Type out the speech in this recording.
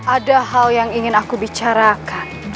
ada hal yang ingin aku bicarakan